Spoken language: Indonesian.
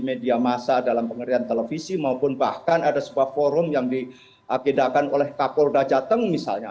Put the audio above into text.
di media masa dalam pengerian televisi maupun bahkan ada sebuah forum yang diakidahkan oleh kak korda jateng misalnya